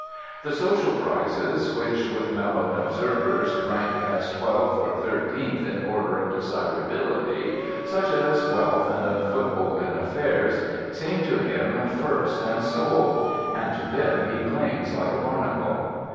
The social prizes, which, with mellowed observers, rank as twelfth or thirteenth in order of desirability, such as wealth and a foothold in affairs, seem to him first and sole; and to them he clings like a barnacle.